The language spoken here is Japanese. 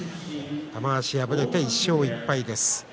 玉鷲、敗れて１勝１敗です。